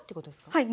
はい。